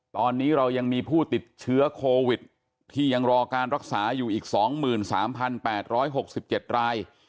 ตอนนี้เรายังมีผู้ติดเชื้อโควิดที่ยังรอการรักษาอยู่อีก๒๓๘๖๗ราย